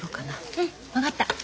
うん分かった。